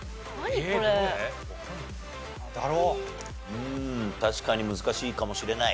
うーん確かに難しいかもしれない。